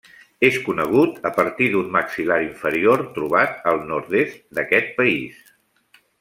És conegut a partir d'un maxil·lar inferior trobat al nord-est d'aquest país.